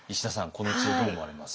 この知恵どう思われます？